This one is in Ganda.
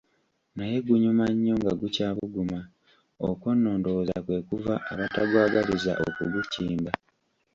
Naye gunyuma nnyo nga gukyabuguma, okwo nno ndowooza kwe kuva abatagwagaliza okugukimba.